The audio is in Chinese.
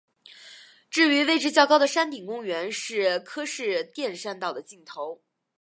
至于位置较高的山顶公园是柯士甸山道的尽头。